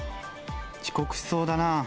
遅刻しそうだなぁ。